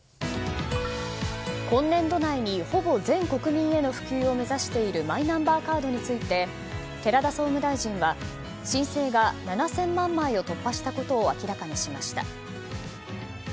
今年度内にほぼ全国民への普及を目指しているマイナンバーカードについて寺田総務大臣は申請が７０００万枚を突破したことを明らかにしました。